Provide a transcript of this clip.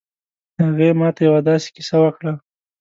هغې ما ته یو ه داسې کیسه وکړه